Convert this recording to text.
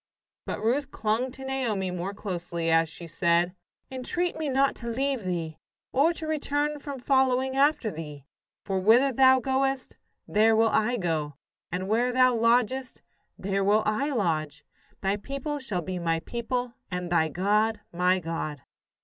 But Ruth clung to Naomi more closely, as she said: "Entreat me not to leave thee, or to return from following after thee: for whither thou goest, there will I go; and where thou lodgest, there will I lodge. Thy people shall be my people, and thy God my God."